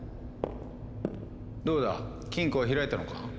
どうだ金庫は開いたのか？